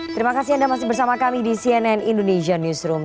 terima kasih anda masih bersama kami di cnn indonesia newsroom